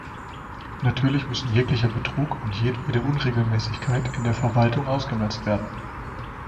Natürlich müssen jeglicher Betrug und jedwede Unregelmäßigkeit in der Verwaltung ausgemerzt werden.